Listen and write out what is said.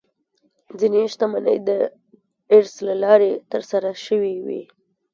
ځینې شتمنۍ د ارث له لارې ترلاسه شوې وي.